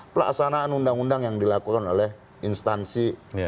pelaksanaan undang undang yang dilakukan oleh instansi